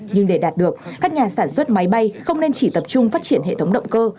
nhưng để đạt được các nhà sản xuất máy bay không nên chỉ tập trung phát triển hệ thống động cơ